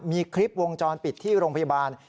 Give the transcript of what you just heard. มีคลิปวงจรปิดที่โรงพยาบาล